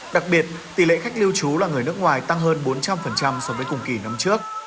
đặc biệt tỷ lệ khách lưu trú là người nước ngoài tăng hơn bốn trăm linh so với cùng kỳ năm trước